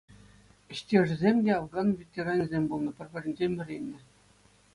Ӗҫтешӗсем те Афган ветеранӗсем пулнӑ, пӗр-пӗринчен вӗреннӗ.